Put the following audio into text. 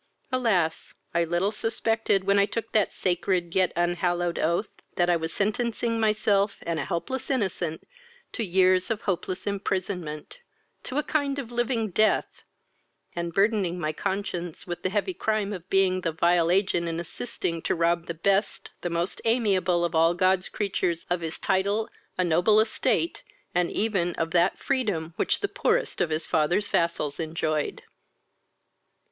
Alas! I little suspected, when I took that sacred, yet unhallowed oath, that I was sentencing myself and a helpless innocent to years of hopeless imprisonment, to a kind of living death, and burthening my conscience with the heavy crime of being the vile agent in assisting to rob the best, the most amiable of all God's creatures of his title, a noble estate, and even of that freedom which the poorest of his father's vassals enjoyed."